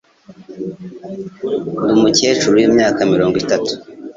Ndi umukecuru w'imyaka mirongo itatu.